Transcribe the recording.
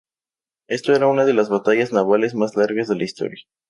Esto era una de las batallas navales más largas de la historia.